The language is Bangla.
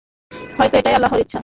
হয়ত এটাই আল্লাহর ইচ্ছা।